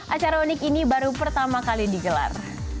acara unik ini baru pertama kali digelar